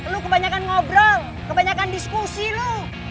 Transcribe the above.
lo kebanyakan ngobrol kebanyakan diskusi lo